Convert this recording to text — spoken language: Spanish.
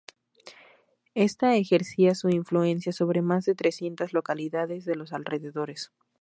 Esta ejercía su influencia sobre más de trescientas localidades de los alrededores.